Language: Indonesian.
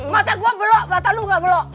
masa gue blok mata lu gak blok